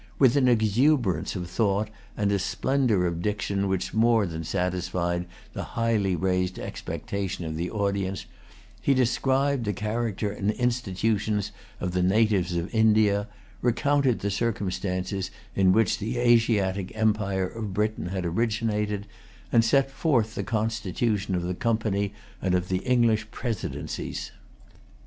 With an exuberance of thought and a splendor of diction which more than satisfied the highly raised expectation of the audience, he described the character and institutions of the natives of India, recounted the circumstances in which the Asiatic empire of Britain had originated, and set forth the constitution of the Company and of the English Presidencies.